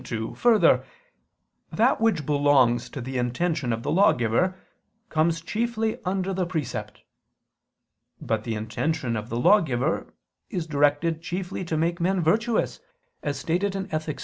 2: Further, that which belongs to the intention of the lawgiver comes chiefly under the precept. But the intention of the lawgiver is directed chiefly to make men virtuous, as stated in _Ethic.